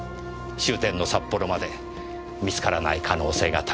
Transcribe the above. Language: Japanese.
終点の札幌まで見つからない可能性が高い。